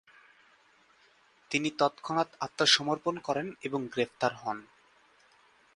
তিনি তৎক্ষণাৎ আত্মসমর্পণ করেন এবং গ্রেফতার হন।